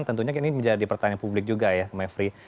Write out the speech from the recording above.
tentunya ini menjadi pertanyaan publik juga ya mevri